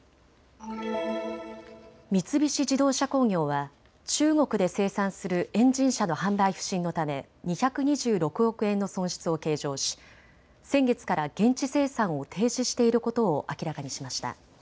三菱自動車工業は中国で生産するエンジン車の販売不振のため２２６億円の損失を計上し先月から現地生産を停止していることを明らかにしました。